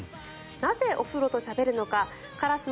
なぜ、お風呂としゃべるのか。